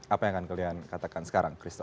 apa yang akan kalian katakan sekarang kristen